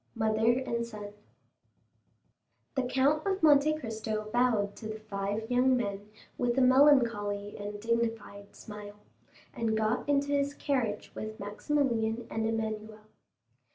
Mother and Son The Count of Monte Cristo bowed to the five young men with a melancholy and dignified smile, and got into his carriage with Maximilian and Emmanuel.